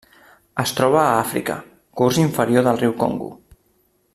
Es troba a Àfrica: curs inferior del riu Congo.